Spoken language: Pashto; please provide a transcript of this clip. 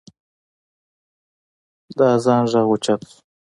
د اذان غږ اوچت شو.